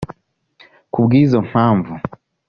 Kubw’izo mpamvu